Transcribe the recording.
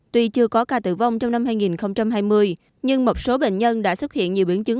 tuy chưa có ca tử vong trong năm hai nghìn hai mươi nhưng một số bệnh nhân đã xuất hiện nhiều biến chứng